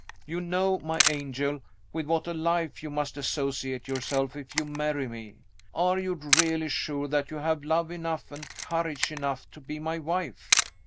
You know, my angel, with what a life you must associate yourself if you marry me. Are you really sure that you have love enough and courage enough to be my wife?"